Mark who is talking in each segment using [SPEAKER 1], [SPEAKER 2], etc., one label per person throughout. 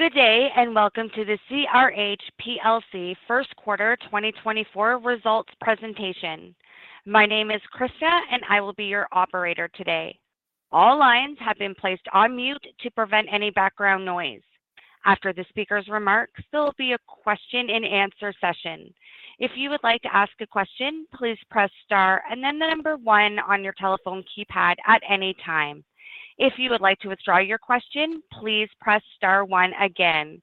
[SPEAKER 1] Good day and welcome to the CRH plc first quarter 2024 results presentation. My name is Krishna, and I will be your operator today. All lines have been placed on mute to prevent any background noise. After the speaker's remarks, there will be a question-and-answer session. If you would like to ask a question, please press star and then the number one on your telephone keypad at any time. If you would like to withdraw your question, please press star 1 again.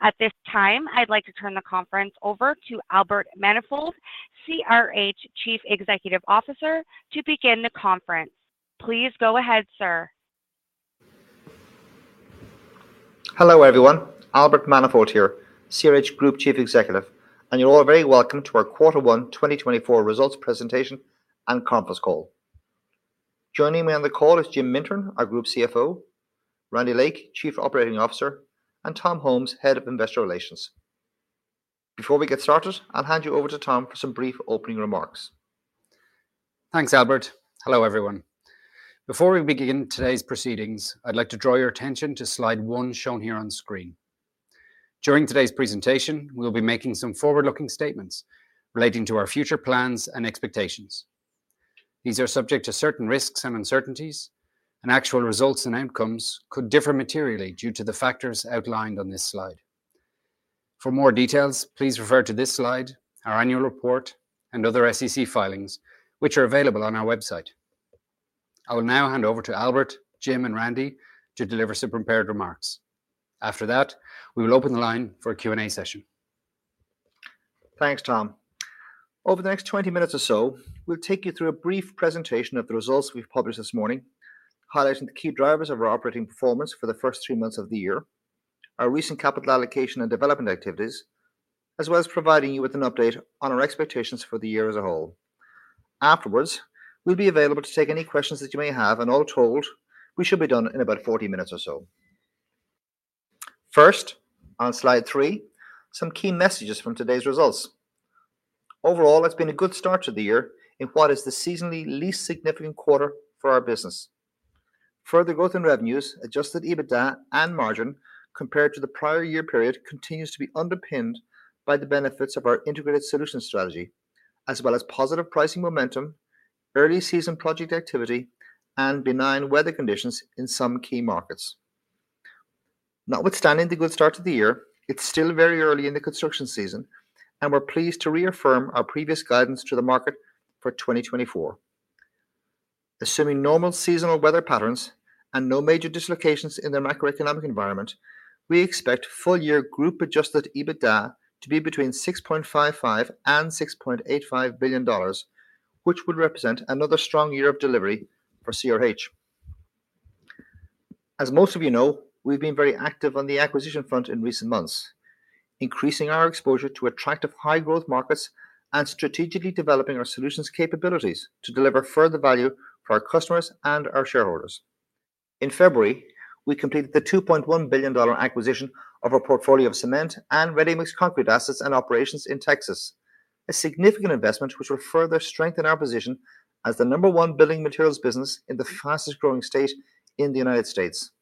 [SPEAKER 1] At this time, I'd like to turn the conference over to Albert Manifold, CRH Chief Executive Officer, to begin the conference. Please go ahead, sir.
[SPEAKER 2] Hello everyone. Albert Manifold here, CRH Group Chief Executive, and you're all very welcome to our quarter one 2024 results presentation and conference call. Joining me on the call is Jim Mintern, our Group CFO, Randy Lake, Chief Operating Officer, and Tom Holmes, Head of Investor Relations. Before we get started, I'll hand you over to Tom for some brief opening remarks.
[SPEAKER 3] Thanks, Albert. Hello everyone. Before we begin today's proceedings, I'd like to draw your attention to slide one shown here on screen. During today's presentation, we'll be making some forward-looking statements relating to our future plans and expectations. These are subject to certain risks and uncertainties, and actual results and outcomes could differ materially due to the factors outlined on this slide. For more details, please refer to this slide, our annual report, and other SEC filings, which are available on our website. I will now hand over to Albert, Jim, and Randy to deliver some prepared remarks. After that, we will open the line for a Q&A session.
[SPEAKER 2] Thanks, Tom. Over the next 20 minutes or so, we'll take you through a brief presentation of the results we've published this morning, highlighting the key drivers of our operating performance for the first 3 months of the year, our recent capital allocation and development activities, as well as providing you with an update on our expectations for the year as a whole. Afterwards, we'll be available to take any questions that you may have, and all told, we should be done in about 40 minutes or so. First, on slide 3, some key messages from today's results. Overall, it's been a good start to the year in what is the seasonally least significant quarter for our business. Further growth in revenues, Adjusted EBITDA, and margin compared to the prior year period continues to be underpinned by the benefits of our integrated solution strategy, as well as positive pricing momentum, early season project activity, and benign weather conditions in some key markets. Notwithstanding the good start to the year, it's still very early in the construction season, and we're pleased to reaffirm our previous guidance to the market for 2024. Assuming normal seasonal weather patterns and no major dislocations in the macroeconomic environment, we expect full-year Group Adjusted EBITDA to be between $6.55-$6.85 billion, which would represent another strong year of delivery for CRH. As most of you know, we've been very active on the acquisition front in recent months, increasing our exposure to attractive high-growth markets and strategically developing our solutions' capabilities to deliver further value for our customers and our shareholders. In February, we completed the $2.1 billion acquisition of our portfolio of cement and ready-mix concrete assets and operations in Texas, a significant investment which will further strengthen our position as the number one building materials business in the fastest-growing state in the United States.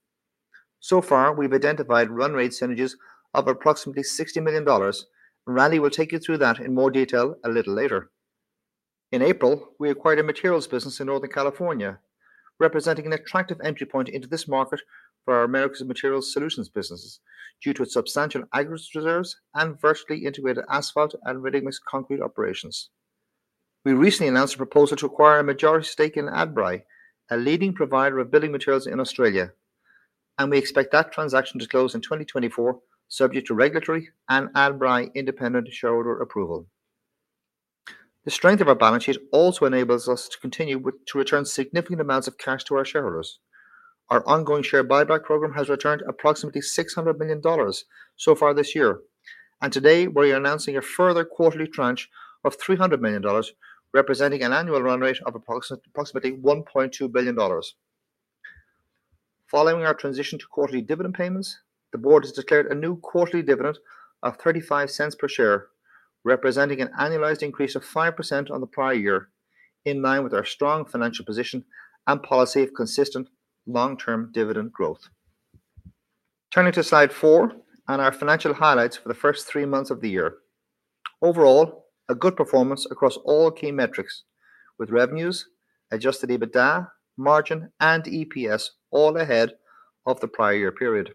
[SPEAKER 2] So far, we've identified run rate synergies of approximately $60 million, and Randy will take you through that in more detail a little later. In April, we acquired a materials business in Northern California, representing an attractive entry point into this market for our Americas Materials Solutions businesses due to its substantial aggregate reserves and vertically integrated asphalt and ready-mix concrete operations. We recently announced a proposal to acquire a majority stake in Adbri, a leading provider of building materials in Australia, and we expect that transaction to close in 2024, subject to regulatory and Adbri independent shareholder approval. The strength of our balance sheet also enables us to continue to return significant amounts of cash to our shareholders. Our ongoing share buyback program has returned approximately $600 million so far this year, and today we're announcing a further quarterly tranche of $300 million, representing an annual run rate of approximately $1.2 billion. Following our transition to quarterly dividend payments, the board has declared a new quarterly dividend of $0.35 per share, representing an annualized increase of 5% on the prior year in line with our strong financial position and policy of consistent long-term dividend growth. Turning to slide four and our financial highlights for the first three months of the year. Overall, a good performance across all key metrics, with revenues, Adjusted EBITDA, margin, and EPS all ahead of the prior year period.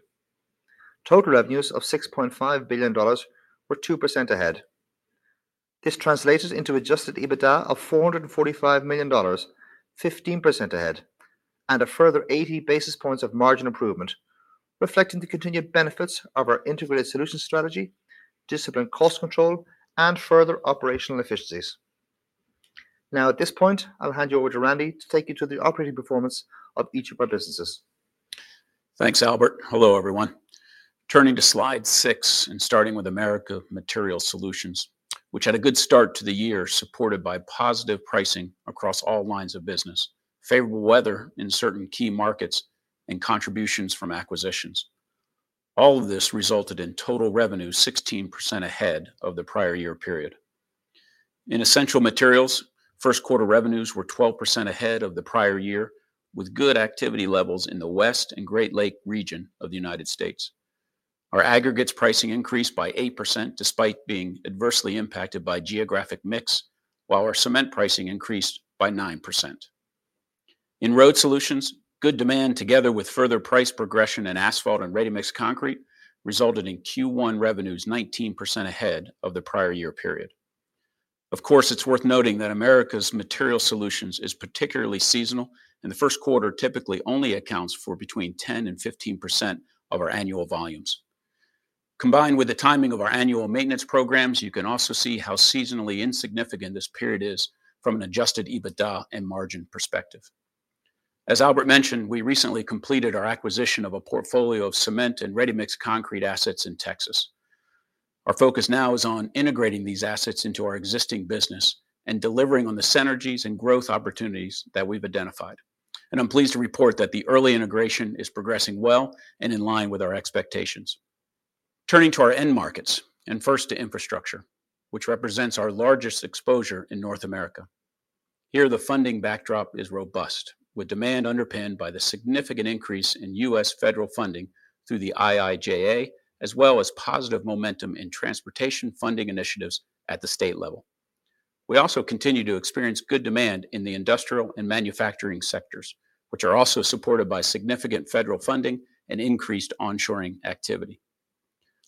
[SPEAKER 2] Total revenues of $6.5 billion were 2% ahead. This translates into Adjusted EBITDA of $445 million, 15% ahead, and a further 80 basis points of margin improvement, reflecting the continued benefits of our integrated solution strategy, disciplined cost control, and further operational efficiencies. Now, at this point, I'll hand you over to Randy to take you through the operating performance of each of our businesses.
[SPEAKER 4] Thanks, Albert. Hello everyone. Turning to slide 6 and starting with Americas Materials Solutions, which had a good start to the year supported by positive pricing across all lines of business, favorable weather in certain key markets, and contributions from acquisitions. All of this resulted in total revenues 16% ahead of the prior year period. In Essential Materials, first quarter revenues were 12% ahead of the prior year, with good activity levels in the West and Great Lakes region of the United States. Our aggregates pricing increased by 8% despite being adversely impacted by geographic mix, while our cement pricing increased by 9%. In Road Solutions, good demand together with further price progression in asphalt and ready-mix concrete resulted in Q1 revenues 19% ahead of the prior year period. Of course, it's worth noting that Americas Materials Solutions is particularly seasonal, and the first quarter typically only accounts for between 10%-15% of our annual volumes. Combined with the timing of our annual maintenance programs, you can also see how seasonally insignificant this period is from an Adjusted EBITDA and margin perspective. As Albert mentioned, we recently completed our acquisition of a portfolio of cement and ready-mix concrete assets in Texas. Our focus now is on integrating these assets into our existing business and delivering on the synergies and growth opportunities that we've identified. And I'm pleased to report that the early integration is progressing well and in line with our expectations. Turning to our end markets and first to infrastructure, which represents our largest exposure in North America. Here, the funding backdrop is robust, with demand underpinned by the significant increase in U.S. federal funding through the IIJA, as well as positive momentum in transportation funding initiatives at the state level. We also continue to experience good demand in the industrial and manufacturing sectors, which are also supported by significant federal funding and increased onshoring activity.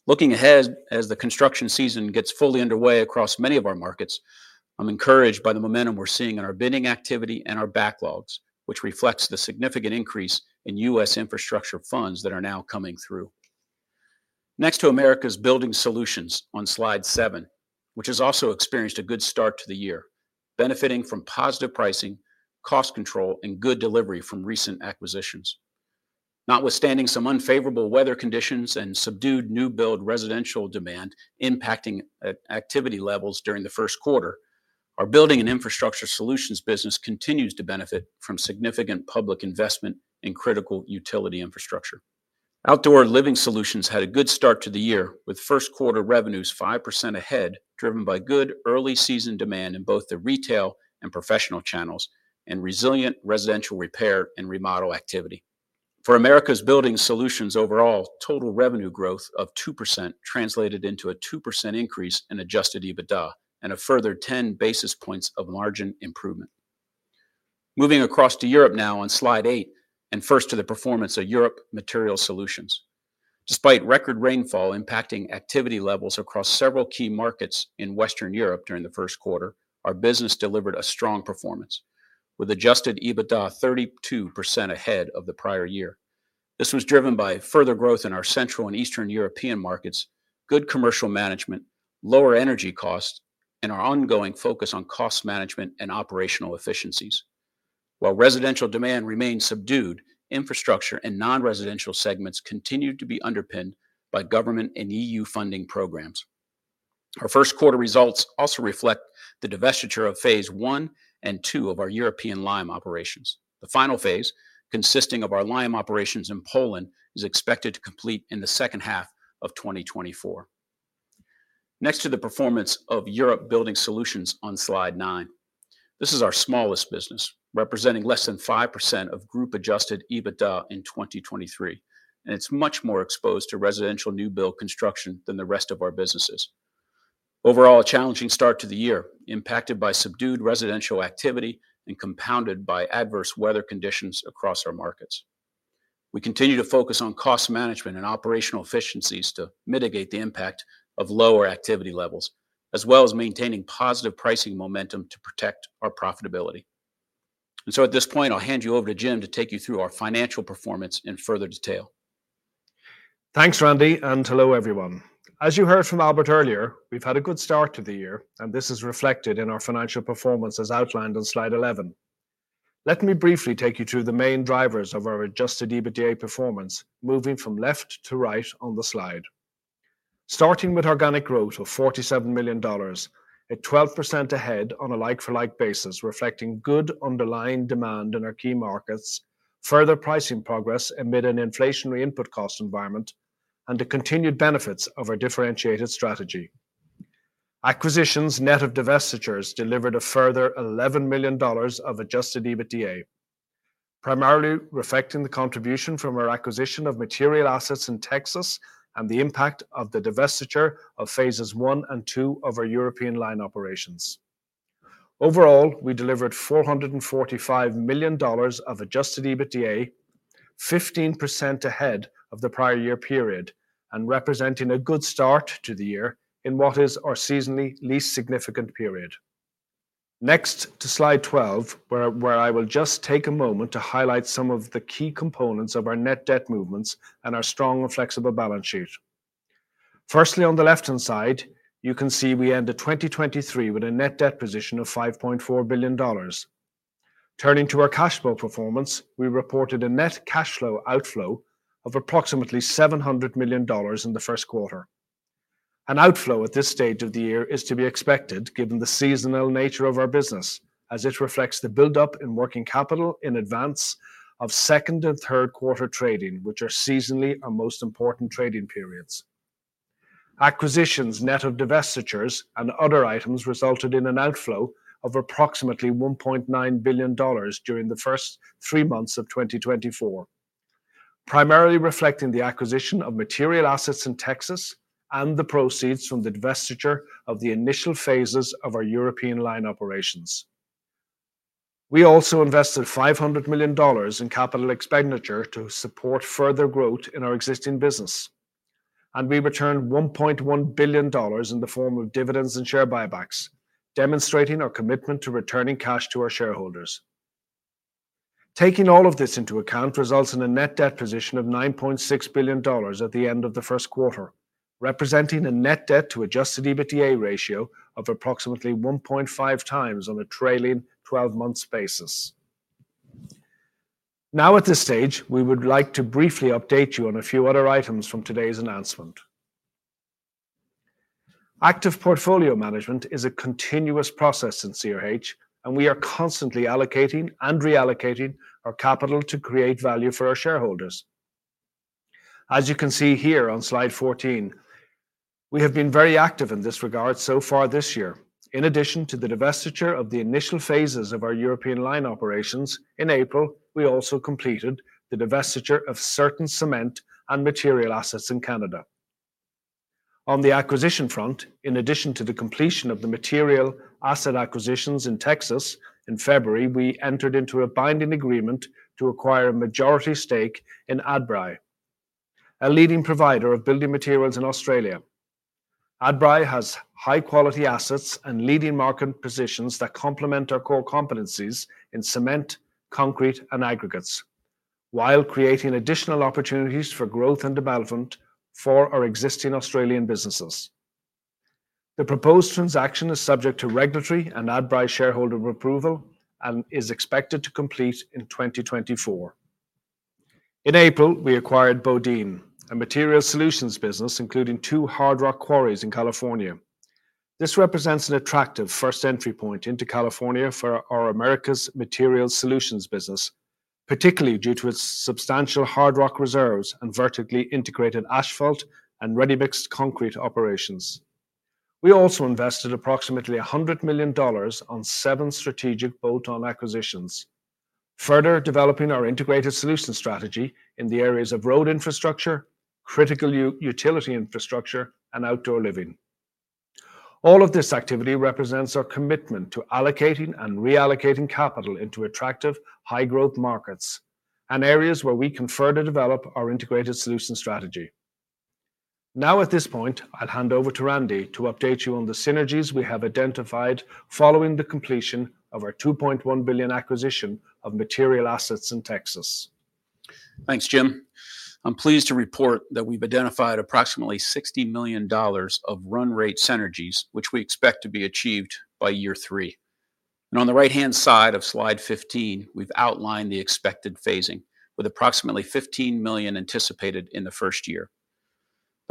[SPEAKER 4] Looking ahead as the construction season gets fully underway across many of our markets, I'm encouraged by the momentum we're seeing in our bidding activity and our backlogs, which reflects the significant increase in U.S. infrastructure funds that are now coming through. Next, to Americas Building Solutions on slide 7, which has also experienced a good start to the year, benefiting from positive pricing, cost control, and good delivery from recent acquisitions. Notwithstanding some unfavorable weather conditions and subdued new build residential demand impacting activity levels during the first quarter, our Building and Infrastructure Solutions business continues to benefit from significant public investment in critical utility infrastructure. Outdoor Living Solutions had a good start to the year, with first quarter revenues 5% ahead driven by good early season demand in both the retail and professional channels and resilient residential repair and remodel activity. For Americas Building Solutions overall, total revenue growth of 2% translated into a 2% increase in adjusted EBITDA and a further 10 basis points of margin improvement. Moving across to Europe now on slide 8 and first to the performance of Europe Materials Solutions. Despite record rainfall impacting activity levels across several key markets in Western Europe during the first quarter, our business delivered a strong performance, with adjusted EBITDA 32% ahead of the prior year. This was driven by further growth in our Central and Eastern European markets, good commercial management, lower energy costs, and our ongoing focus on cost management and operational efficiencies. While residential demand remained subdued, infrastructure and non-residential segments continued to be underpinned by government and EU funding programs. Our first quarter results also reflect the divestiture of phase one and two of our European lime operations. The final phase, consisting of our lime operations in Poland, is expected to complete in the second half of 2024. Next, to the performance of Europe Building Solutions on slide nine. This is our smallest business, representing less than 5% of group-adjusted EBITDA in 2023, and it's much more exposed to residential new build construction than the rest of our businesses. Overall, a challenging start to the year, impacted by subdued residential activity and compounded by adverse weather conditions across our markets. We continue to focus on cost management and operational efficiencies to mitigate the impact of lower activity levels, as well as maintaining positive pricing momentum to protect our profitability. And so at this point, I'll hand you over to Jim to take you through our financial performance in further detail.
[SPEAKER 5] Thanks, Randy, and hello everyone. As you heard from Albert earlier, we've had a good start to the year, and this is reflected in our financial performance as outlined on slide 11. Let me briefly take you through the main drivers of our Adjusted EBITDA performance, moving from left to right on the slide. Starting with organic growth of $47 million, at 12% ahead on a like-for-like basis, reflecting good underlying demand in our key markets, further pricing progress amid an inflationary input cost environment, and the continued benefits of our differentiated strategy. Acquisitions net of divestitures delivered a further $11 million of Adjusted EBITDA, primarily reflecting the contribution from our acquisition of material assets in Texas and the impact of the divestiture of phases one and two of our European lime operations. Overall, we delivered $445 million of Adjusted EBITDA, 15% ahead of the prior year period, and representing a good start to the year in what is our seasonally least significant period. Next to slide 12, where I will just take a moment to highlight some of the key components of our Net Debt movements and our strong and flexible balance sheet. Firstly, on the left-hand side, you can see we ended 2023 with a Net Debt position of $5.4 billion. Turning to our cash flow performance, we reported a net cash flow outflow of approximately $700 million in the first quarter. An outflow at this stage of the year is to be expected given the seasonal nature of our business, as it reflects the buildup in working capital in advance of second and third quarter trading, which are seasonally our most important trading periods. Acquisitions net of divestitures and other items resulted in an outflow of approximately $1.9 billion during the first three months of 2024, primarily reflecting the acquisition of material assets in Texas and the proceeds from the divestiture of the initial phases of our European lime operations. We also invested $500 million in capital expenditure to support further growth in our existing business, and we returned $1.1 billion in the form of dividends and share buybacks, demonstrating our commitment to returning cash to our shareholders. Taking all of this into account results in a net debt position of $9.6 billion at the end of the first quarter, representing a net debt to Adjusted EBITDA ratio of approximately 1.5 times on a trailing 12-month basis. Now, at this stage, we would like to briefly update you on a few other items from today's announcement. Active portfolio management is a continuous process in CRH, and we are constantly allocating and reallocating our capital to create value for our shareholders. As you can see here on slide 14, we have been very active in this regard so far this year. In addition to the divestiture of the initial phases of our European lime operations in April, we also completed the divestiture of certain cement and material assets in Canada. On the acquisition front, in addition to the completion of the material asset acquisitions in Texas in February, we entered into a binding agreement to acquire a majority stake in Adbri, a leading provider of building materials in Australia. Adbri has high-quality assets and leading market positions that complement our core competencies in cement, concrete, and aggregates, while creating additional opportunities for growth and development for our existing Australian businesses. The proposed transaction is subject to regulatory and Adbri shareholder approval and is expected to complete in 2024. In April, we acquired BoDean, a materials solutions business including two hard rock quarries in California. This represents an attractive first entry point into California for our Americas Materials Solutions business, particularly due to its substantial hard rock reserves and vertically integrated asphalt and ready-mixed concrete operations. We also invested approximately $100 million on seven strategic bolt-on acquisitions, further developing our integrated solution strategy in the areas of road infrastructure, critical utility infrastructure, and outdoor living. All of this activity represents our commitment to allocating and reallocating capital into attractive, high-growth markets and areas where we can further develop our integrated solution strategy. Now, at this point, I'll hand over to Randy to update you on the synergies we have identified following the completion of our $2.1 billion acquisition of material assets in Texas.
[SPEAKER 4] Thanks, Jim. I'm pleased to report that we've identified approximately $60 million of run-rate synergies, which we expect to be achieved by year three. On the right-hand side of slide 15, we've outlined the expected phasing, with approximately $15 million anticipated in the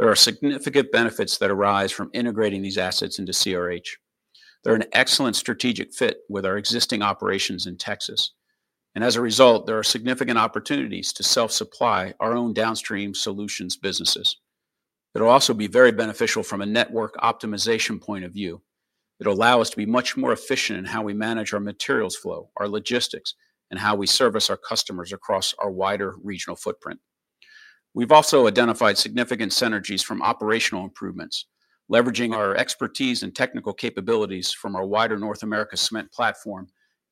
[SPEAKER 4] first year. There are significant benefits that arise from integrating these assets into CRH. They're an excellent strategic fit with our existing operations in Texas. And as a result, there are significant opportunities to self-supply our own downstream solutions businesses. It'll also be very beneficial from a network optimization point of view. It'll allow us to be much more efficient in how we manage our materials flow, our logistics, and how we service our customers across our wider regional footprint. We've also identified significant synergies from operational improvements, leveraging our expertise and technical capabilities from our wider North America cement platform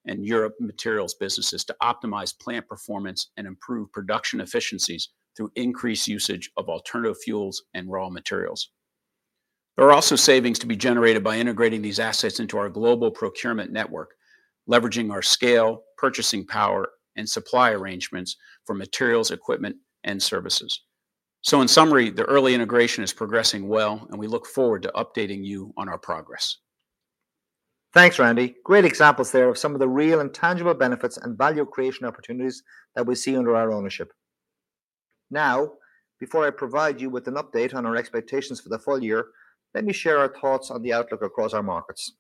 [SPEAKER 4] and Europe materials businesses to optimize plant performance and improve production efficiencies through increased usage of alternative fuels and raw materials. There are also savings to be generated by integrating these assets into our global procurement network, leveraging our scale, purchasing power, and supply arrangements for materials, equipment, and services. So in summary, the early integration is progressing well, and we look forward to updating you on our progress.
[SPEAKER 2] Thanks, Randy. Great examples there of some of the real and tangible benefits and value creation opportunities that we see under our ownership. Now, before I provide you with an update on our expectations for the full year, let me share our thoughts on the outlook across our markets.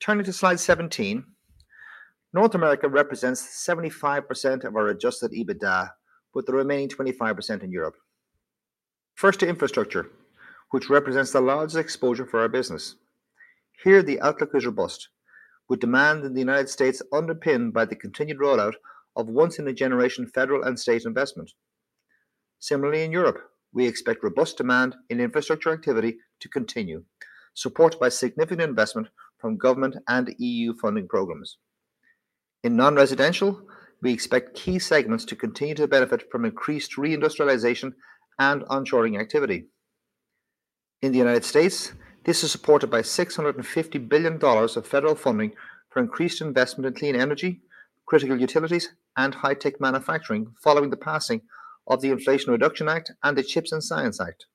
[SPEAKER 2] Turning to slide 17, North America represents 75% of our Adjusted EBITDA, with the remaining 25% in Europe. First to infrastructure, which represents the largest exposure for our business. Here, the outlook is robust, with demand in the United States underpinned by the continued rollout of once-in-a-generation federal and state investment. Similarly, in Europe, we expect robust demand in infrastructure activity to continue, supported by significant investment from government and EU funding programs. In non-residential, we expect key segments to continue to benefit from increased reindustrialization and onshoring activity. In the United States, this is supported by $650 billion of federal funding for increased investment in clean energy, critical utilities, and high-tech manufacturing following the passing of the Inflation Reduction Act and the CHIPS and Science Act.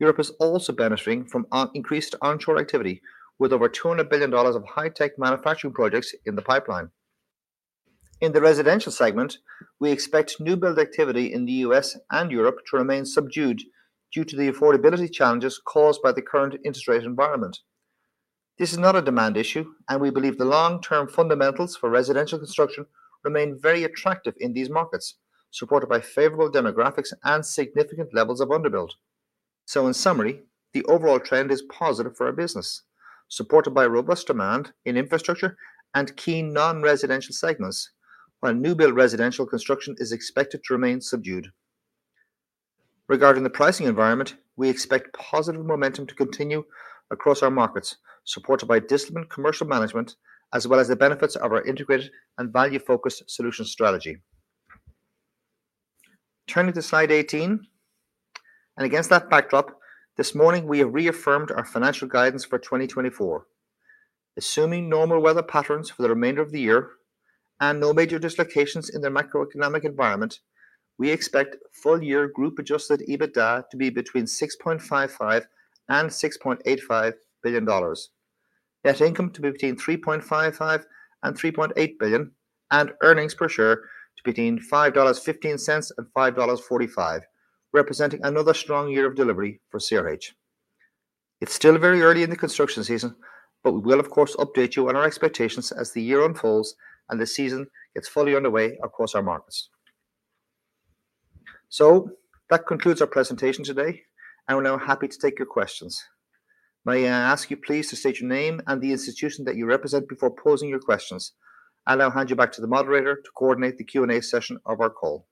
[SPEAKER 2] Europe is also benefiting from increased onshore activity, with over $200 billion of high-tech manufacturing projects in the pipeline. In the residential segment, we expect new build activity in the U.S. and Europe to remain subdued due to the affordability challenges caused by the current interest rate environment. This is not a demand issue, and we believe the long-term fundamentals for residential construction remain very attractive in these markets, supported by favorable demographics and significant levels of underbuild. So in summary, the overall trend is positive for our business, supported by robust demand in infrastructure and key non-residential segments, while new build residential construction is expected to remain subdued. Regarding the pricing environment, we expect positive momentum to continue across our markets, supported by disciplined commercial management as well as the benefits of our integrated and value-focused solution strategy. Turning to slide 18 and against that backdrop, this morning we have reaffirmed our financial guidance for 2024. Assuming normal weather patterns for the remainder of the year and no major dislocations in the macroeconomic environment, we expect full-year group-adjusted EBITDA to be between $6.55-$6.85 billion, net income to be between $3.55-$3.8 billion, and earnings per share to be between $5.15-$5.45, representing another strong year of delivery for CRH. It's still very early in the construction season, but we will, of course, update you on our expectations as the year unfolds and the season gets fully underway across our markets. So that concludes our presentation today, and we're now happy to take your questions. May I ask you please to state your name and the institution that you represent before posing your questions, and I'll hand you back to the moderator to coordinate the Q&A session of our call.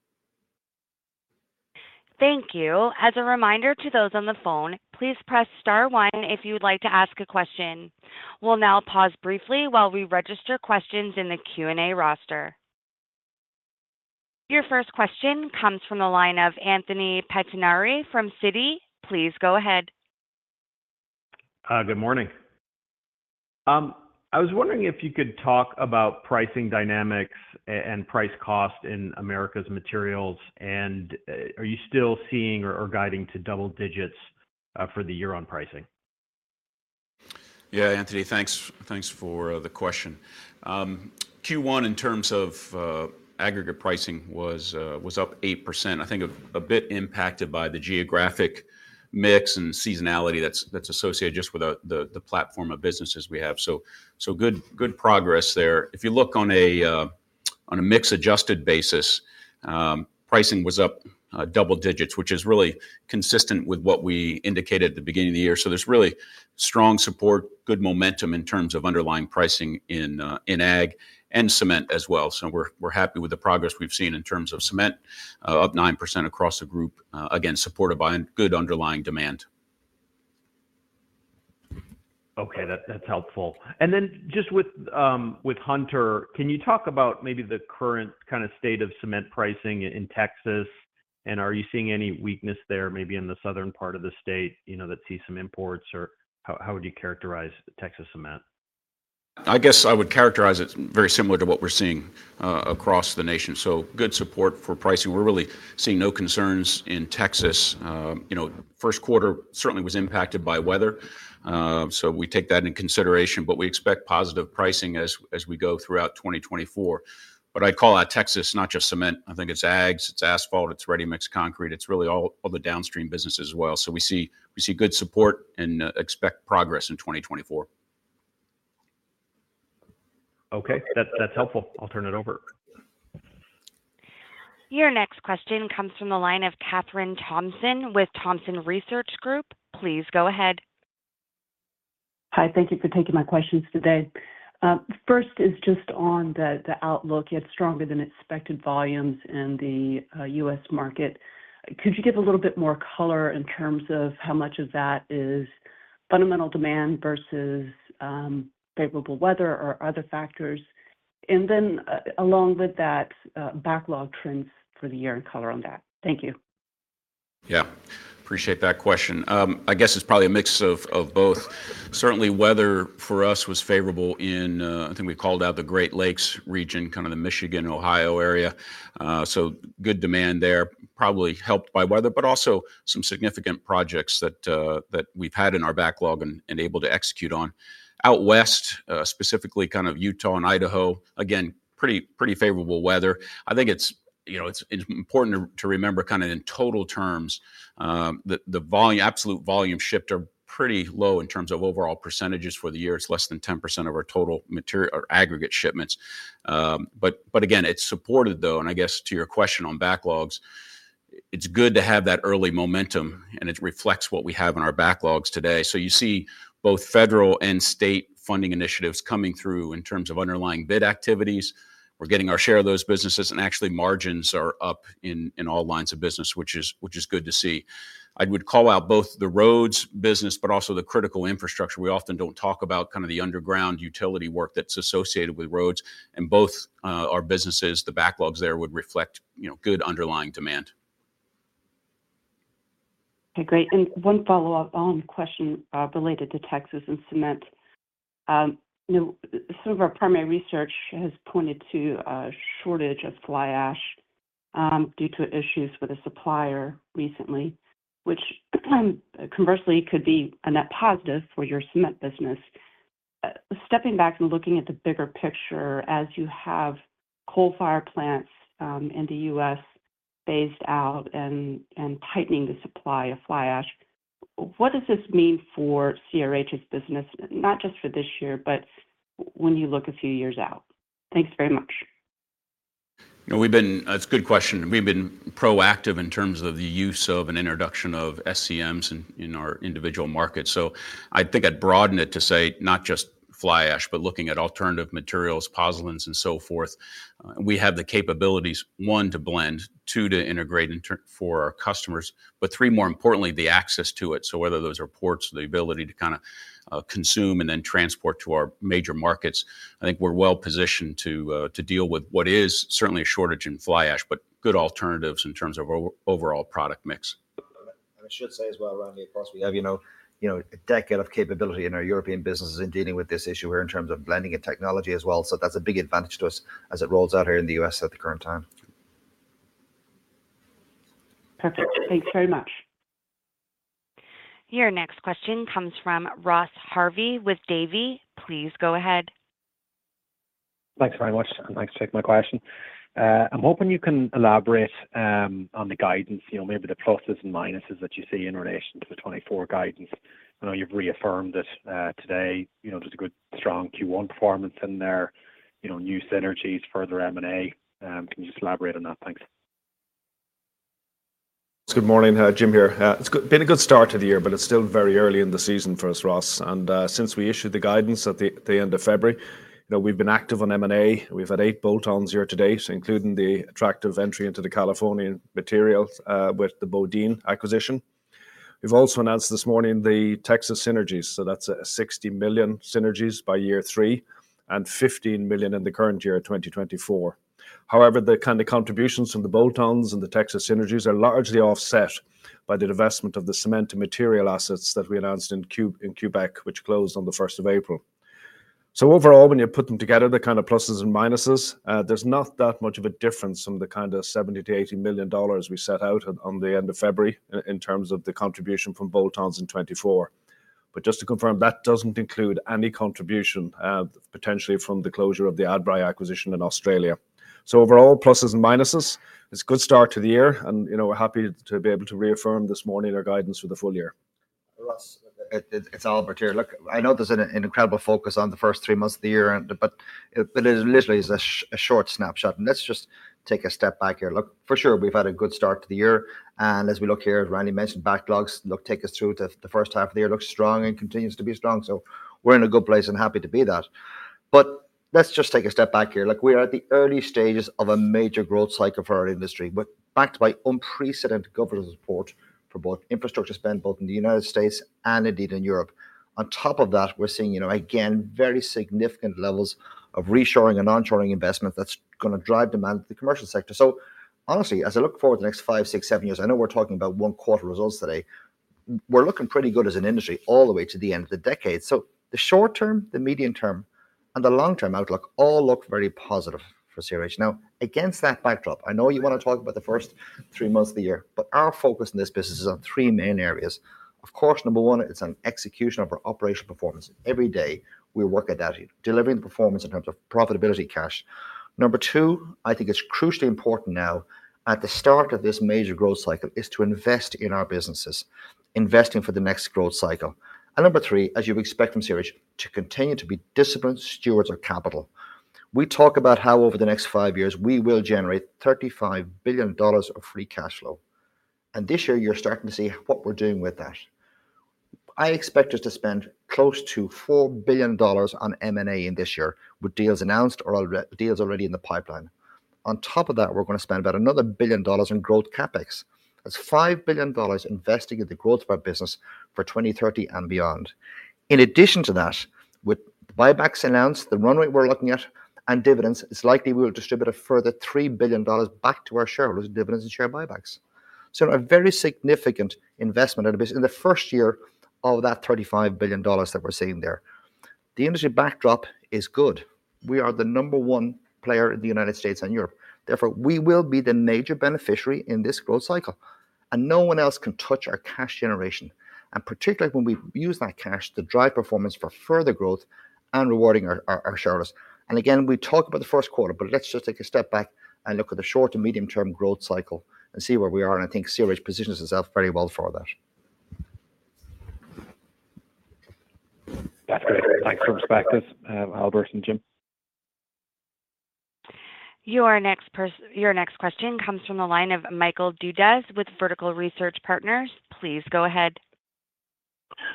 [SPEAKER 1] Thank you. As a reminder to those on the phone, please press star one if you'd like to ask a question. We'll now pause briefly while we register questions in the Q&A roster. Your first question comes from the line of Anthony Pettinari from Citi. Please go ahead.
[SPEAKER 6] Good morning. I was wondering if you could talk about pricing dynamics and price-cost in Americas Materials, and are you still seeing or guiding to double digits for the year-on-year pricing?
[SPEAKER 4] Yeah, Anthony. Thanks for the question. Q1, in terms of aggregate pricing, was up 8%, I think a bit impacted by the geographic mix and seasonality that's associated just with the platform of businesses we have. So good progress there. If you look on a mix-adjusted basis, pricing was up double digits, which is really consistent with what we indicated at the beginning of the year. So there's really strong support, good momentum in terms of underlying pricing in agg and cement as well. So we're happy with the progress we've seen in terms of cement, up 9% across the group, again, supported by good underlying demand.
[SPEAKER 6] Okay. That's helpful. And then just with Hunter, can you talk about maybe the current kind of state of cement pricing in Texas, and are you seeing any weakness there, maybe in the southern part of the state that sees some imports, or how would you characterize Texas cement?
[SPEAKER 4] I guess I would characterize it very similar to what we're seeing across the nation. So good support for pricing. We're really seeing no concerns in Texas. First quarter certainly was impacted by weather, so we take that into consideration, but we expect positive pricing as we go throughout 2024. But I call out Texas, not just cement. I think it's aggs, it's asphalt, it's ready-mixed concrete. It's really all the downstream businesses as well. So we see good support and expect progress in 2024.
[SPEAKER 6] Okay. That's helpful. I'll turn it over.
[SPEAKER 1] Your next question comes from the line of Kathryn Thompson with Thompson Research Group. Please go ahead.
[SPEAKER 7] Hi. Thank you for taking my questions today. First is just on the outlook. You had stronger-than-expected volumes in the U.S. market. Could you give a little bit more color in terms of how much of that is fundamental demand versus favorable weather or other factors? And then along with that, backlog trends for the year and color on that. Thank you.
[SPEAKER 4] Yeah. Appreciate that question. I guess it's probably a mix of both. Certainly, weather for us was favorable in, I think, we called out the Great Lakes region, kind of the Michigan, Ohio area. So good demand there, probably helped by weather, but also some significant projects that we've had in our backlog and able to execute on. Out west, specifically kind of Utah and Idaho, again, pretty favorable weather. I think it's important to remember kind of in total terms, the absolute volume shifts are pretty low in terms of overall percentages for the year. It's less than 10% of our total aggregate shipments. But again, it's supported, though. And I guess to your question on backlogs, it's good to have that early momentum, and it reflects what we have in our backlogs today. So you see both federal and state funding initiatives coming through in terms of underlying bid activities. We're getting our share of those businesses, and actually, margins are up in all lines of business, which is good to see. I would call out both the roads business but also the critical infrastructure. We often don't talk about kind of the underground utility work that's associated with roads. And both our businesses, the backlogs there would reflect good underlying demand.
[SPEAKER 7] Okay. Great. One follow-up question related to Texas and cement. Some of our primary research has pointed to a shortage of fly ash due to issues with a supplier recently, which conversely could be a net positive for your cement business. Stepping back and looking at the bigger picture, as you have coal-fired plants in the U.S. phased out and tightening the supply of fly ash, what does this mean for CRH's business, not just for this year, but when you look a few years out? Thanks very much.
[SPEAKER 4] It's a good question. We've been proactive in terms of the use of an introduction of SCMs in our individual markets. So I think I'd broaden it to say not just fly ash, but looking at alternative materials, pozzolans, and so forth. We have the capabilities, one, to blend, two, to integrate for our customers, but three, more importantly, the access to it. So whether those are ports, the ability to kind of consume and then transport to our major markets, I think we're well positioned to deal with what is certainly a shortage in fly ash but good alternatives in terms of overall product mix.
[SPEAKER 2] I should say as well, Randy, of course, we have a decade of capability in our European businesses in dealing with this issue here in terms of blending and technology as well. So that's a big advantage to us as it rolls out here in the U.S. at the current time.
[SPEAKER 7] Perfect. Thanks very much.
[SPEAKER 1] Your next question comes from Ross Harvey with Davy. Please go ahead.
[SPEAKER 8] Thanks very much. Thanks for taking my question. I'm hoping you can elaborate on the guidance, maybe the pluses and minuses that you see in relation to the 2024 guidance. I know you've reaffirmed it today. There's a good, strong Q1 performance in there, new synergies, further M&A. Can you just elaborate on that? Thanks.
[SPEAKER 5] Good morning. Jim here. It's been a good start to the year, but it's still very early in the season for us, Ross. And since we issued the guidance at the end of February, we've been active on M&A. We've had 8 bolt-ons year to date, including the attractive entry into the California market with the BoDean acquisition. We've also announced this morning the Texas synergies. So that's $60 million synergies by year three and $15 million in the current year, 2024. However, the kind of contributions from the bolt-ons and the Texas synergies are largely offset by the divestment of the cement and material assets that we announced in Quebec, which closed on the 1st of April. So overall, when you put them together, the kind of pluses and minuses, there's not that much of a difference from the kind of $70-$80 million we set out on the end of February in terms of the contribution from bolt-ons in 2024. But just to confirm, that doesn't include any contribution potentially from the closure of the Adbri acquisition in Australia. So overall, pluses and minuses, it's a good start to the year, and we're happy to be able to reaffirm this morning our guidance for the full year.
[SPEAKER 2] Ross, it's Albert here. Look, I know there's an incredible focus on the first three months of the year, but it literally is a short snapshot. And let's just take a step back here. Look, for sure, we've had a good start to the year. And as we look here, as Randy mentioned, backlogs take us through the first half of the year, looks strong and continues to be strong. So we're in a good place and happy to be that. But let's just take a step back here. Look, we are at the early stages of a major growth cycle for our industry, backed by unprecedented government support for both infrastructure spend, both in the United States and indeed in Europe. On top of that, we're seeing, again, very significant levels of reshoring and onshoring investment that's going to drive demand in the commercial sector. So honestly, as I look forward to the next 5, 6, 7 years, I know we're talking about first-quarter results today. We're looking pretty good as an industry all the way to the end of the decade. So the short term, the medium term, and the long-term outlook all look very positive for CRH. Now, against that backdrop, I know you want to talk about the first 3 months of the year, but our focus in this business is on 3 main areas. Of course, number 1, it's on execution of our operational performance. Every day, we work at that, delivering the performance in terms of profitability cash. Number 2, I think it's crucially important now at the start of this major growth cycle is to invest in our businesses, investing for the next growth cycle. Number three, as you expect from CRH, to continue to be disciplined stewards of capital. We talk about how over the next 5 years, we will generate $35 billion of free cash flow. This year, you're starting to see what we're doing with that. I expect us to spend close to $4 billion on M&A in this year with deals announced or deals already in the pipeline. On top of that, we're going to spend about another $1 billion in growth CapEx. That's $5 billion investing in the growth of our business for 2030 and beyond. In addition to that, with buybacks announced, the run rate we're looking at, and dividends, it's likely we will distribute a further $3 billion back to our shareholders in dividends and share buybacks. A very significant investment in the first year of that $35 billion that we're seeing there. The industry backdrop is good. We are the number one player in the United States and Europe. Therefore, we will be the major beneficiary in this growth cycle. No one else can touch our cash generation, and particularly when we use that cash to drive performance for further growth and rewarding our shareholders. Again, we talk about the first quarter, but let's just take a step back and look at the short and medium-term growth cycle and see where we are. I think CRH positions itself very well for that.
[SPEAKER 8] That's great. Thanks for the perspective, Albert and Jim.
[SPEAKER 1] Your next question comes from the line of Michael Dudas with Vertical Research Partners. Please go ahead.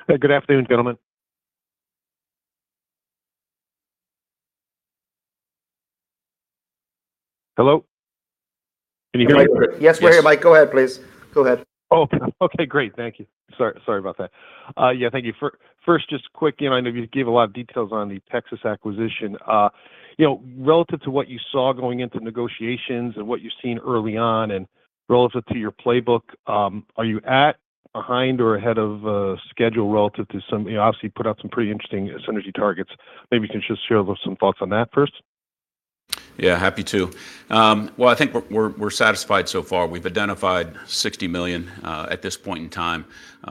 [SPEAKER 9] Good afternoon, gentlemen. Hello? Can you hear me?
[SPEAKER 2] Yes, we're here, Mike. Go ahead, please. Go ahead.
[SPEAKER 9] Oh, okay. Great. Thank you. Sorry about that. Yeah, thank you. First, just quick, I know you gave a lot of details on the Texas acquisition. Relative to what you saw going into negotiations and what you've seen early on and relative to your playbook, are you at, behind, or ahead of schedule relative to some obviously, you put out some pretty interesting synergy targets? Maybe you can just share some thoughts on mate first.
[SPEAKER 4] Yeah, happy to. Well, I think we're satisfied so far. We've identified $60 million at this point in time.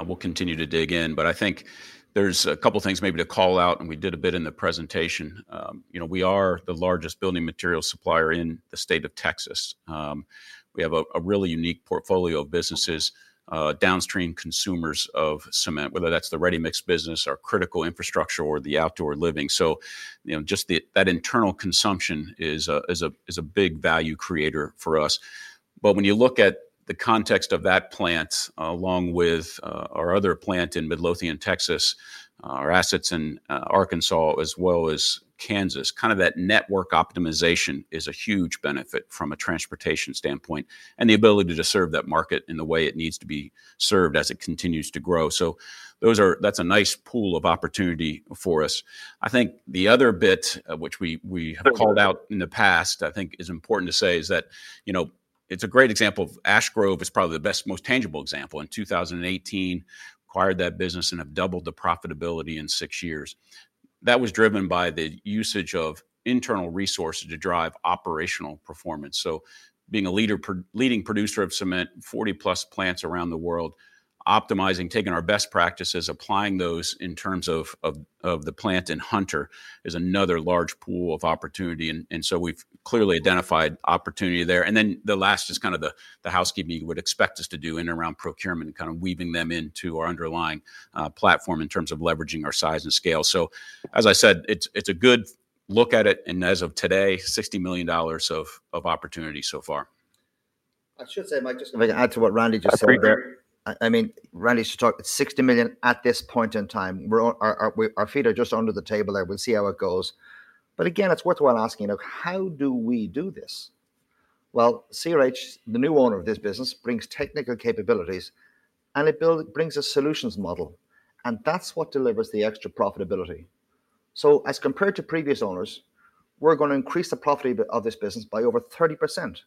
[SPEAKER 4] We'll continue to dig in. But I think there's a couple of things maybe to call out, and we did a bit in the presentation. We are the largest building materials supplier in the state of Texas. We have a really unique portfolio of businesses, downstream consumers of cement, whether that's the ready-mixed business, our critical infrastructure, or the outdoor living. So just that internal consumption is a big value creator for us. But when you look at the context of that plant along with our other plant in Midlothian, Texas, our assets in Arkansas, as well as Kansas, kind of that network optimization is a huge benefit from a transportation standpoint and the ability to serve that market in the way it needs to be served as it continues to grow. So that's a nice pool of opportunity for us. I think the other bit which we have called out in the past, I think, is important to say is that it's a great example of Ash Grove. It's probably the best, most tangible example. In 2018, acquired that business and have doubled the profitability in six years. That was driven by the usage of internal resources to drive operational performance. So, being a leading producer of cement, 40+ plants around the world, optimizing, taking our best practices, applying those in terms of the plant in Hunter is another large pool of opportunity. And so we've clearly identified opportunity there. And then the last is kind of the housekeeping you would expect us to do in and around procurement and kind of weaving them into our underlying platform in terms of leveraging our size and scale. So as I said, it's a good look at it. And as of today, $60 million of opportunity so far.
[SPEAKER 2] I should say, Mike, just going to add to what Randy just said there. I mean, Randy just talked about $60 million at this point in time. Our feet are just under the table there. We'll see how it goes. But again, it's worthwhile asking, how do we do this? Well, CRH, the new owner of this business, brings technical capabilities, and it brings a solutions model. And that's what delivers the extra profitability. So as compared to previous owners, we're going to increase the profitability of this business by over 30%. And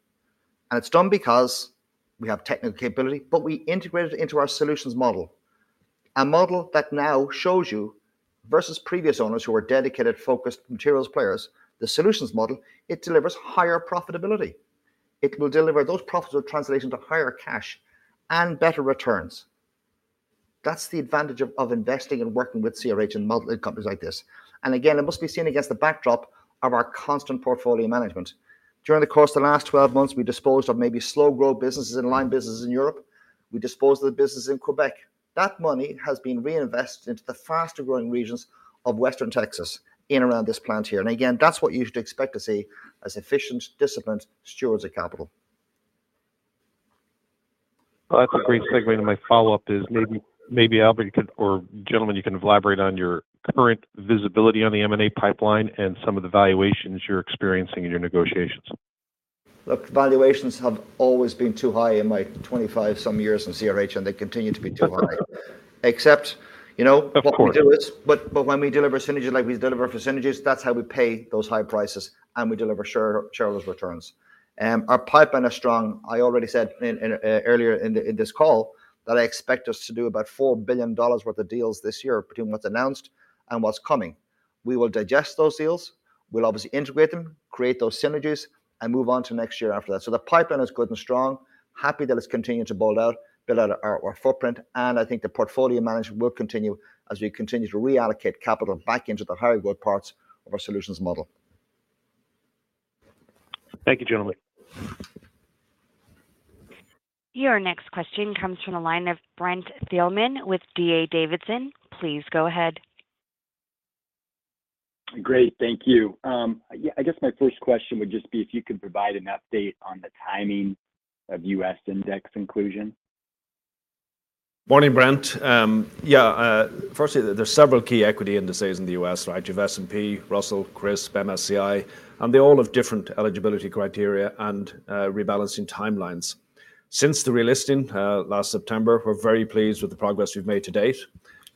[SPEAKER 2] it's done because we have technical capability, but we integrated it into our solutions model, a model that now shows you versus previous owners who were dedicated, focused materials players, the solutions model, it delivers higher profitability. It will deliver those profits with translation to higher cash and better returns. That's the advantage of investing and working with CRH and modeling companies like this. And again, it must be seen against the backdrop of our constant portfolio management. During the course of the last 12 months, we disposed of maybe slow-growth businesses and line businesses in Europe. We disposed of the businesses in Quebec. That money has been reinvested into the faster-growing regions of western Texas in and around this plant here. And again, that's what you should expect to see as efficient, disciplined stewards of capital.
[SPEAKER 9] That's a great segue into my follow-up. Maybe, Albert, or gentlemen, you can elaborate on your current visibility on the M&A pipeline and some of the valuations you're experiencing in your negotiations.
[SPEAKER 2] Look, valuations have always been too high in my 25-some years in CRH, and they continue to be too high, except what we do is, but when we deliver synergies like we deliver for synergies, that's how we pay those high prices, and we deliver shareholders' returns. Our pipeline is strong. I already said earlier in this call that I expect us to do about $4 billion worth of deals this year between what's announced and what's coming. We will digest those deals. We'll obviously integrate them, create those synergies, and move on to next year after that. So the pipeline is good and strong. Happy that it's continuing to build out, build out our footprint. And I think the portfolio management will continue as we continue to reallocate capital back into the higher-growth parts of our solutions model.
[SPEAKER 9] Thank you, gentlemen.
[SPEAKER 1] Your next question comes from the line of Brent Thielman with D.A. Davidson. Please go ahead.
[SPEAKER 10] Great. Thank you. I guess my first question would just be if you could provide an update on the timing of US index inclusion.
[SPEAKER 5] Morning, Brent. Yeah, firstly, there's several key equity indices in the US, right? You've S&P, Russell, CRSP, MSCI. They all have different eligibility criteria and rebalancing timelines. Since the relisting last September, we're very pleased with the progress we've made to date.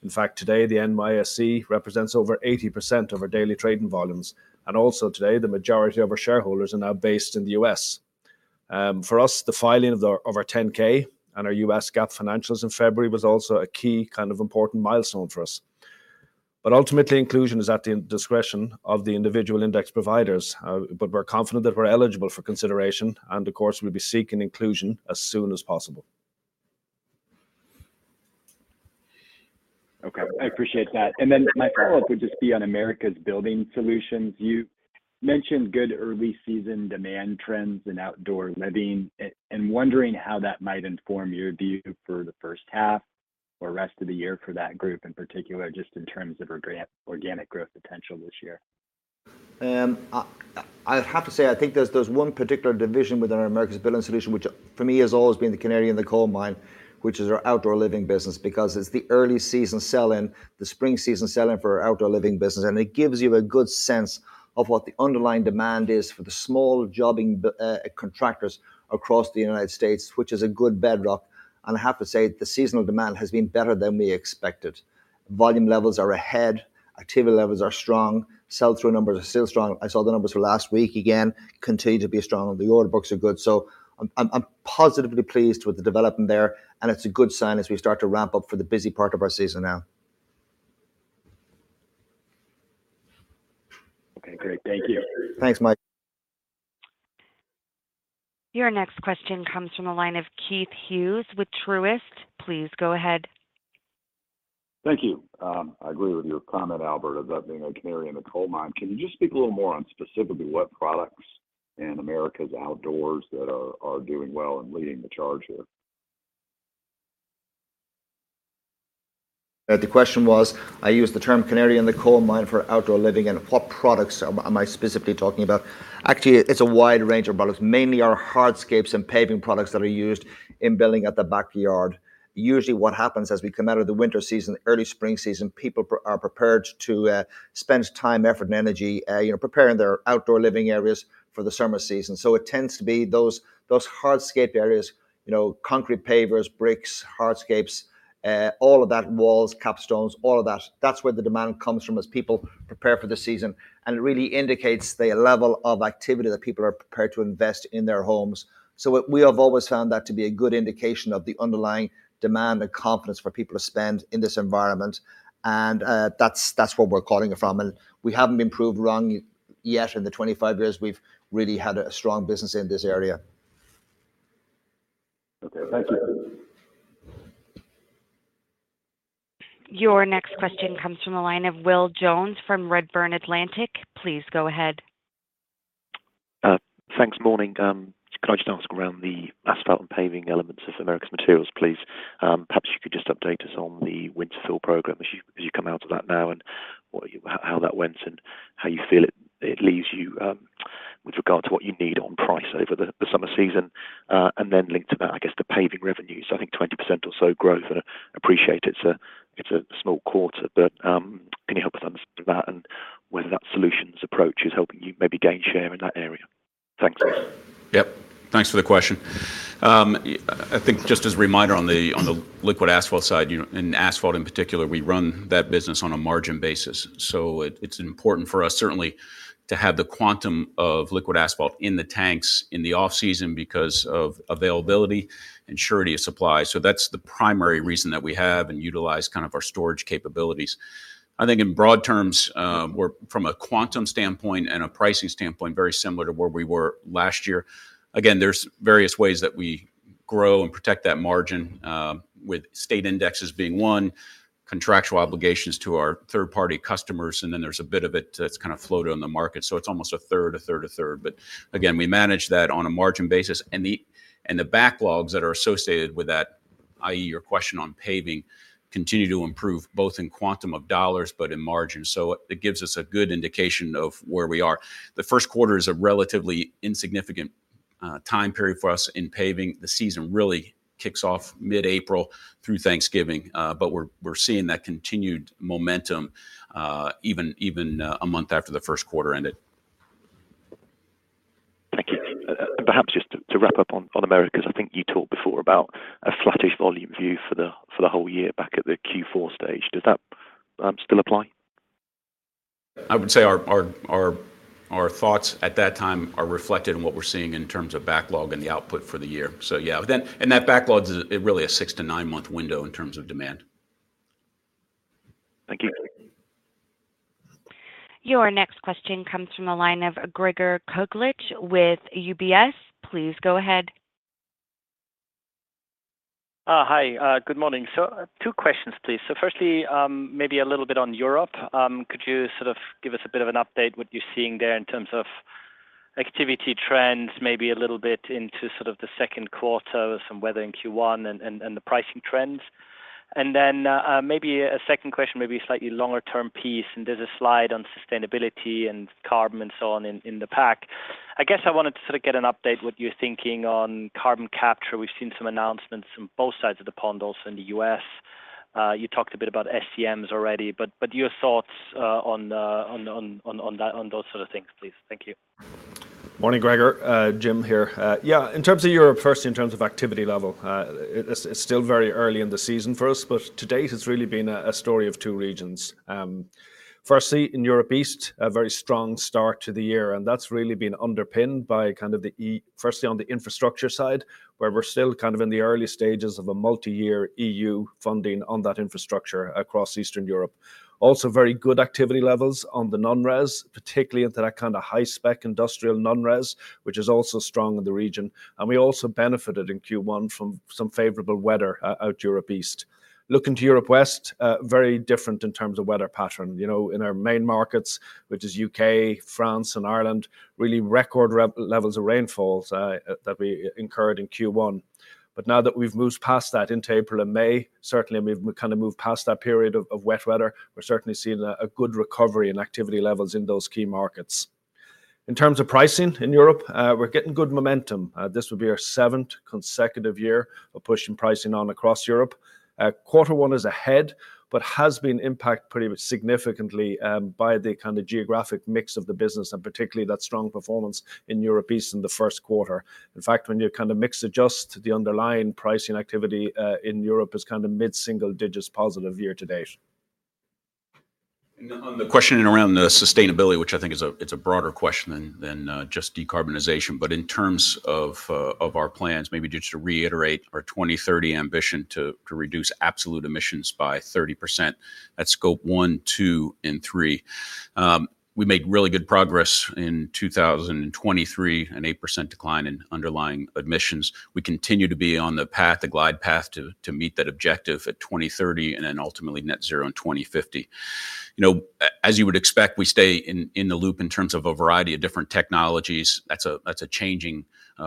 [SPEAKER 5] In fact, today, the NYSE represents over 80% of our daily trading volumes. Also today, the majority of our shareholders are now based in the US. For us, the filing of our 10-K and our US GAAP financials in February was also a key kind of important milestone for us. Ultimately, inclusion is at the discretion of the individual index providers. We're confident that we're eligible for consideration. Of course, we'll be seeking inclusion as soon as possible.
[SPEAKER 10] Okay. I appreciate that. Then my follow-up would just be on Americas Building Solutions. You mentioned good early-season demand trends in outdoor living. Wondering how that might inform your view for the first half or rest of the year for that group in particular, just in terms of organic growth potential this year.
[SPEAKER 2] I have to say, I think there's one particular division within Americas Building Solutions, which for me has always been the canary in the coal mine, which is our Outdoor Living Solutions because it's the early-season sell-in, the spring-season sell-in for our Outdoor Living Solutions. And it gives you a good sense of what the underlying demand is for the small jobbing contractors across the United States, which is a good bedrock. And I have to say, the seasonal demand has been better than we expected. Volume levels are ahead. Activity levels are strong. Sell-through numbers are still strong. I saw the numbers for last week again, continue to be strong. The order books are good. So I'm positively pleased with the development there. And it's a good sign as we start to ramp up for the busy part of our season now.
[SPEAKER 10] Okay. Great. Thank you.
[SPEAKER 2] Thanks, Mike.
[SPEAKER 1] Your next question comes from the line of Keith Hughes with Truist. Please go ahead.
[SPEAKER 11] Thank you. I agree with your comment, Albert, of that being a canary in the coal mine. Can you just speak a little more on specifically what products in America's outdoors that are doing well and leading the charge here?
[SPEAKER 2] The question was, I use the term canary in the coal mine for outdoor living. What products am I specifically talking about? Actually, it's a wide range of products, mainly our hardscapes and paving products that are used in building at the backyard. Usually, what happens as we come out of the winter season, early spring season, people are prepared to spend time, effort, and energy preparing their outdoor living areas for the summer season. So it tends to be those hardscape areas, concrete pavers, bricks, hardscapes, all of that, walls, capstones, all of that. That's where the demand comes from as people prepare for the season. It really indicates the level of activity that people are prepared to invest in their homes. So we have always found that to be a good indication of the underlying demand and confidence for people to spend in this environment. That's what we're calling it from. We haven't been proved wrong yet. In the 25 years, we've really had a strong business in this area.
[SPEAKER 10] Okay. Thank you.
[SPEAKER 1] Your next question comes from the line of Will Jones from Redburn Atlantic. Please go ahead.
[SPEAKER 12] Thanks. Morning. Could I just ask around the asphalt and paving elements of Americas Materials, please? Perhaps you could just update us on the winter fill program as you come out of that now and how that went and how you feel it leaves you with regard to what you need on price over the summer season. And then linked to that, I guess, the paving revenues. I think 20% or so growth. And I appreciate it's a small quarter. But can you help us understand that and whether that solutions approach is helping you maybe gain share in that area? Thanks.
[SPEAKER 4] Yep. Thanks for the question. I think just as a reminder on the liquid asphalt side and asphalt in particular, we run that business on a margin basis. So it's important for us, certainly, to have the quantum of liquid asphalt in the tanks in the off-season because of availability and surety of supply. So that's the primary reason that we have and utilize kind of our storage capabilities. I think in broad terms, from a quantum standpoint and a pricing standpoint, very similar to where we were last year. Again, there's various ways that we grow and protect that margin, with state indexes being one, contractual obligations to our third-party customers. And then there's a bit of it that's kind of floated on the market. So it's almost a third, a third, a third. But again, we manage that on a margin basis. The backlogs that are associated with that, i.e., your question on paving, continue to improve both in quantum of dollars but in margin. It gives us a good indication of where we are. The first quarter is a relatively insignificant time period for us in paving. The season really kicks off mid-April through Thanksgiving. We're seeing that continued momentum even a month after the first quarter ended.
[SPEAKER 12] Thank you. Perhaps just to wrap up on America, because I think you talked before about a flattish volume view for the whole year back at the Q4 stage. Does that still apply?
[SPEAKER 4] I would say our thoughts at that time are reflected in what we're seeing in terms of backlog and the output for the year. So yeah. That backlog, it really is a 6-9-month window in terms of demand.
[SPEAKER 12] Thank you.
[SPEAKER 1] Your next question comes from the line of Gregor Kuglitsch with UBS. Please go ahead.
[SPEAKER 13] Hi. Good morning. So two questions, please. So firstly, maybe a little bit on Europe. Could you sort of give us a bit of an update? What are you seeing there in terms of activity trends, maybe a little bit into sort of the second quarter with some weather in Q1 and the pricing trends? And then maybe a second question, maybe a slightly longer-term piece. And there's a slide on sustainability and carbon and so on in the pack. I guess I wanted to sort of get an update what you're thinking on carbon capture. We've seen some announcements on both sides of the pond, also in the US. You talked a bit about SCMs already. But your thoughts on those sort of things, please. Thank you.
[SPEAKER 5] Morning, Gregor. Jim here. Yeah, in terms of Europe, firstly, in terms of activity level, it's still very early in the season for us. But to date, it's really been a story of two regions. Firstly, in Europe East, a very strong start to the year. And that's really been underpinned by kind of the firstly, on the infrastructure side, where we're still kind of in the early stages of a multi-year EU funding on that infrastructure across Eastern Europe. Also, very good activity levels on the non-res, particularly into that kind of high-spec industrial non-res, which is also strong in the region. And we also benefited in Q1 from some favorable weather in Europe East. Looking to Europe West, very different in terms of weather pattern. In our main markets, which is UK, France, and Ireland, really record levels of rainfalls that we incurred in Q1. But now that we've moved past that into April and May, certainly, and we've kind of moved past that period of wet weather, we're certainly seeing a good recovery in activity levels in those key markets. In terms of pricing in Europe, we're getting good momentum. This would be our seventh consecutive year of pushing pricing on across Europe. Quarter one is ahead but has been impacted pretty significantly by the kind of geographic mix of the business and particularly that strong performance in Europe East in the first quarter. In fact, when you kind of mix adjust, the underlying pricing activity in Europe is kind of mid-single digits positive year to date. On the question around the sustainability, which I think is a broader question than just decarbonization, but in terms of our plans, maybe just to reiterate our 2030 ambition to reduce absolute emissions by 30% at Scope 1, 2, and 3, we made really good progress in 2023, an 8% decline in underlying emissions. We continue to be on the path, the glide path, to meet that objective at 2030 and then ultimately net zero in 2050. As you would expect, we stay in the loop in terms of a variety of different technologies. That's a changing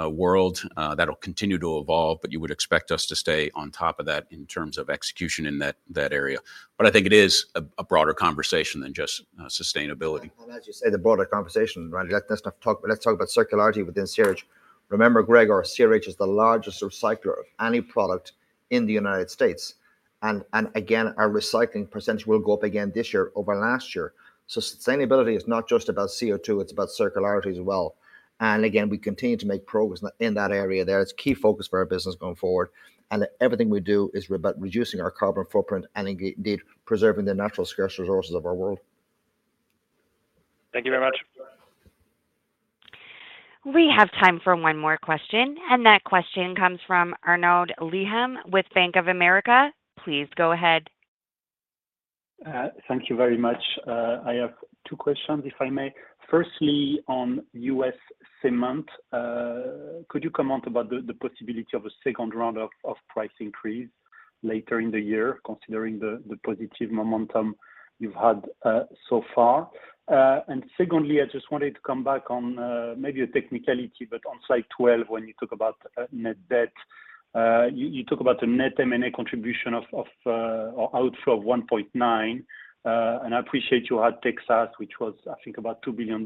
[SPEAKER 5] world. That'll continue to evolve. But you would expect us to stay on top of that in terms of execution in that area. But I think it is a broader conversation than just sustainability.
[SPEAKER 2] And as you say, the broader conversation, right? Let's talk about circularity within CRH. Remember, Gregor, CRH is the largest recycler of any product in the United States. And again, our recycling percentage will go up again this year over last year. So sustainability is not just about CO2. It's about circularity as well. And again, we continue to make progress in that area there. It's a key focus for our business going forward. And everything we do is about reducing our carbon footprint and indeed preserving the natural scarce resources of our world.
[SPEAKER 13] Thank you very much.
[SPEAKER 1] We have time for one more question. That question comes from Arnaud Lehmann with Bank of America. Please go ahead.
[SPEAKER 14] Thank you very much. I have two questions, if I may. Firstly, on US cement, could you comment about the possibility of a second round of price increase later in the year, considering the positive momentum you've had so far? And secondly, I just wanted to come back on maybe a technicality, but on slide 12, when you talk about net debt, you talk about a net M&A contribution or outflow of $1.9 billion. And I appreciate you had Texas, which was, I think, about $2 billion.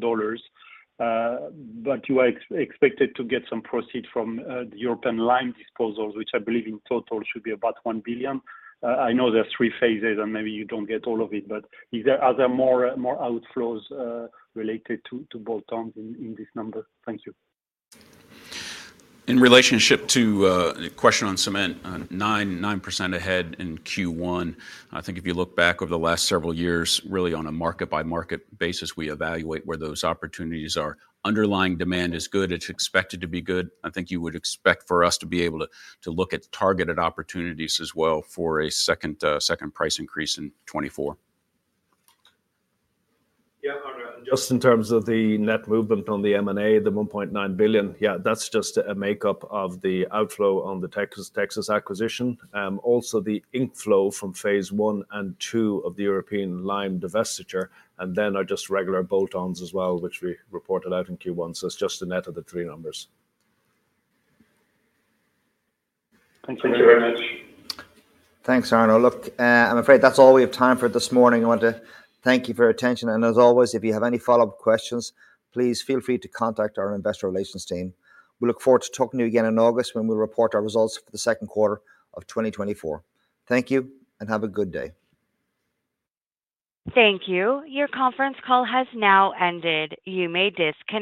[SPEAKER 14] But you were expected to get some proceeds from the European lime disposals, which I believe in total should be about $1 billion. I know there's three phases. And maybe you don't get all of it. But are there more outflows related to bolt-ons in this number? Thank you.
[SPEAKER 4] In relationship to the question on cement, 9% ahead in Q1. I think if you look back over the last several years, really on a market-by-market basis, we evaluate where those opportunities are. Underlying demand is good. It's expected to be good. I think you would expect for us to be able to look at targeted opportunities as well for a second price increase in 2024.
[SPEAKER 5] Yeah, Arnaud. And just in terms of the net movement on the M&A, the $1.9 billion, yeah, that's just a makeup of the outflow on the Texas acquisition, also the inflow from phase one and two of the European lime divestiture, and then are just regular bolt-ons as well, which we reported out in Q1. So it's just the net of the three numbers.
[SPEAKER 14] Thank you. Thank you very much.
[SPEAKER 2] Thanks, Arnaud. Look, I'm afraid that's all we have time for this morning. I want to thank you for your attention. As always, if you have any follow-up questions, please feel free to contact our investor relations team. We look forward to talking to you again in August when we'll report our results for the second quarter of 2024. Thank you. Have a good day.
[SPEAKER 1] Thank you. Your conference call has now ended. You may disconnect.